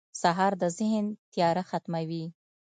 سهار د ذهن تیاره ختموي.